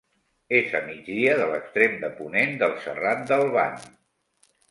És a migdia de l'extrem de ponent del Serrat del Ban.